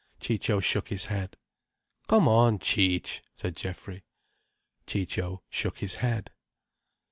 Ciccio shook his head. "Come on, Cic'—" said Geoffrey. Ciccio shook his head.